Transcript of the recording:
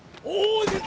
おい！